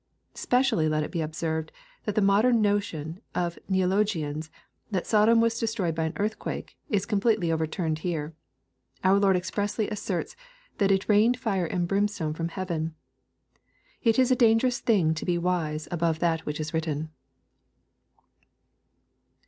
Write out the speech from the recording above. Specially let it be observed, that the modern notion of Neologians, that Sodom was destroyed by an earthquake, is completely overturned here. Our Lord ex pressly asserts, that " It rained fire and brimstone from heaven." It is a dangerous thing to be wise above that which is writtfjn.